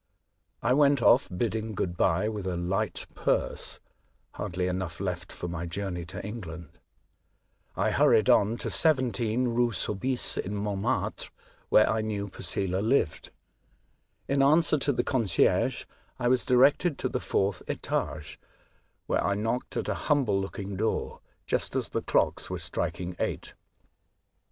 I went off, bidding good bye, with a light purse, — hardly enough left for my journey to England. I hurried on to 17, Rue Soubise, in Mont martre, where I knew Posela lived. In answer to the concierge, I was directed to the fourth etage, where I knocked at a humble looking door just as the clocks were striking eight.